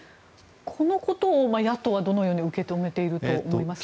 このことを野党は、どのように受け止めていると思いますか？